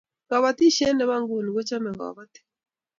kabatishiet nebo nguni kochame kabatik